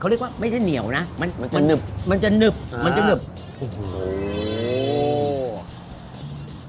เรียกว่าไม่ใช่เหนียวนะมันมันจะหนึบมันจะหนึบมันจะหนึบโอ้โห